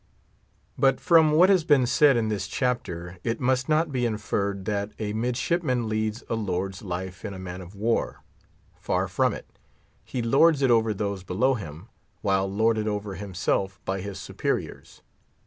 But from what has been said in this chapter, it must not be inferred that a midshipman leads a lord's life in a man of war. Far from it. He lords it over those below him, while lorded over himself by his superiors.